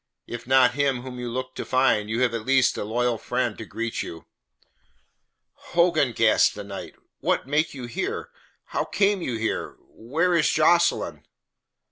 "If not him whom you looked to find, you have at least a loyal friend to greet you." "Hogan!" gasped the knight. "What make you here? How came you here? Where is Jocelyn?"